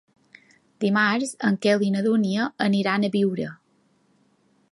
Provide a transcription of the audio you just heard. Dimarts en Quel i na Dúnia aniran a Biure.